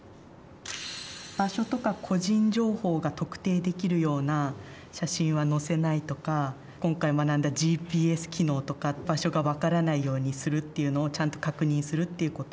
場所とか個人情報が特定できるような写真はのせないとか今回学んだＧＰＳ機能とか場所が分からないようにするっていうのをちゃんと確認するっていうこと。